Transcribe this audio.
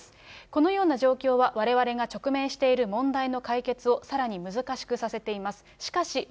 このような状況は、われわれが直面している問題の解決をさらに難しくさせています。